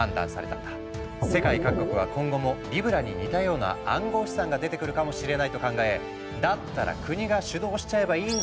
世界各国は今後もリブラに似たような暗号資産が出てくるかもしれないと考えだったら国が主導しちゃえばいいんじゃない？